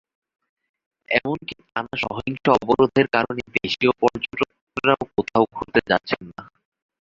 এমনকি টানা সহিংস অবরোধের কারণে দেশীয় পর্যটকেরাও কোথাও ঘুরতে যাচ্ছেন না।